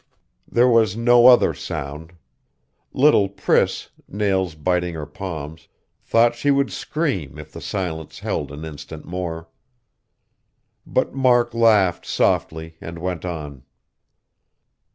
There was no other sound. Little Priss, nails biting her palms, thought she would stream if the silence held an instant more.... But Mark laughed softly, and went on.